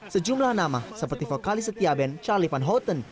sejumlah nama seperti vokalis setiaben charlie van houten